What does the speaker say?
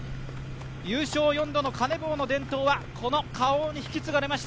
優勝４度のカネボウの伝統はこのＫａｏに引き継がれました。